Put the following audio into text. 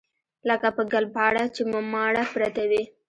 لکه په ګلپاڼه چې مماڼه پرته وي.